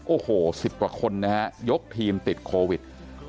โอ้โห๑๐กว่าคนนะฮะยกทีมติดโควิด